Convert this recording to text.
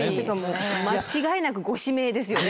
間違いなくご指名ですよね。